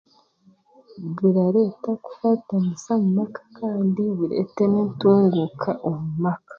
Birareeta kukwatanisa omu maka kandi bireeete n'entunguuka omu maka